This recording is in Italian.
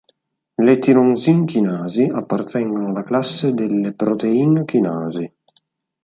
Le tironsin-chinasi appartengono alla classe delle protein-chinasi.